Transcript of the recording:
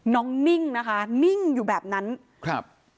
นิ่งนะคะนิ่งอยู่แบบนั้นครับ